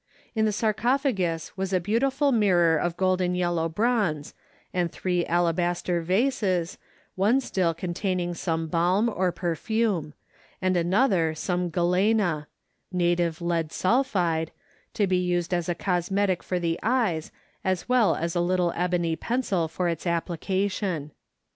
In the sarcophagus was a beautiful mirror of golden yellow bronze, and three alabaster vases, one still containing some balm or perfume, and another some galena (native lead sulphide) to be used as a cosmetic for the eyes, as well as a little ebony pencil for its application.